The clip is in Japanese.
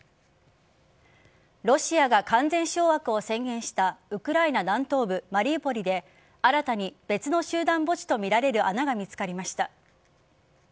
ロシアが完全掌握を宣言したウクライナ南東部・マリウポリで新たに別の集団墓地とみられる穴が見つかりました。